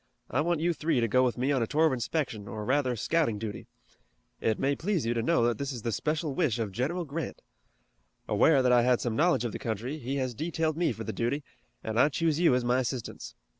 "I want you three to go with me on a tour of inspection or rather scouting duty. It may please you to know that it is the special wish of General Grant. Aware that I had some knowledge of the country, he has detailed me for the duty, and I choose you as my assistants.